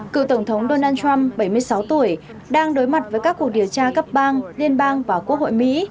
cựu tổng thống donald trump bảy mươi sáu tuổi đang đối mặt với các cuộc điều tra cấp bang liên bang và quốc hội mỹ